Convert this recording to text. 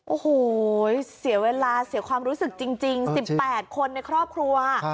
โอ้โหเสียเวลาเสียความรู้สึกจริง๑๘คนในครอบครัว